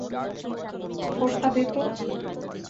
ফোটটা দে তো।